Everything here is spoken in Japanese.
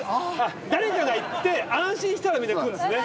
誰かが行って安心したらみんな来るんですね